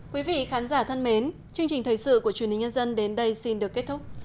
quý vị khán giả thân mến chương trình thời sự của truyền hình nhân dân đến đây xin được kết thúc